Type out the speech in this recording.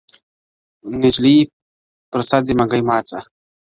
نجلۍ پر سر دي منګی مات سه!